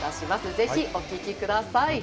ぜひお聴きください。